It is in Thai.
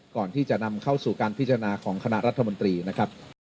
ก่อนที่จะนำเข้าสู่การพิจารณาของคณะรัฐมนตรีนะครับ